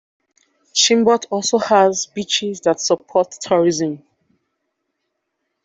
Chimbote also has beaches that support tourism.